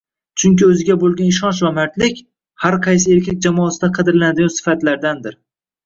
Chunki o‘ziga bo‘lgan ishonch va mardlik – har qaysi erkaklar jamoasida qadrlanadigan sifatlardandir.